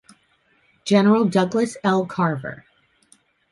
General Douglas L. Carver.